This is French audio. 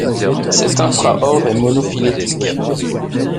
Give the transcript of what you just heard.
Cet infra-ordre est monophylétique.